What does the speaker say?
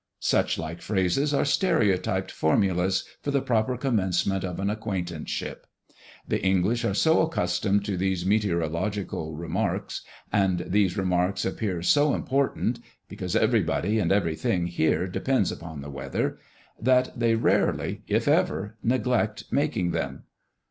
Such like phrases are stereotyped formulas for the proper commencement of an acquaintanceship. The English are so accustomed to these meteorological remarks, and these remarks appear so important (because everybody and everything here depends upon the weather), that they rarely, if ever, neglect making them.